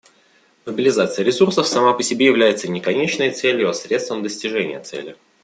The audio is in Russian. Мобилизация ресурсов сама по себе является не конечной целью, а средством достижения цели.